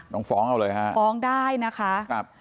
ต้องฟ้องเอาเลยฮะฟ้องได้นะคะครับ